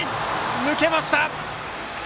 抜けました！